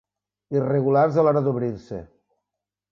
Irregulars a l'hora d'obrir-se.